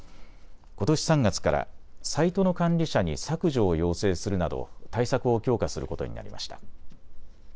ことし３月からサイトの管理者に削除を要請するなど対策を強化することになりました。